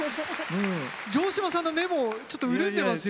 城島さんの目もちょっと潤んでますよ。